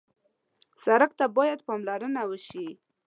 سړک ته باید پاملرنه وشي.